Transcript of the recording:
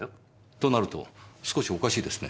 となると少しおかしいですね。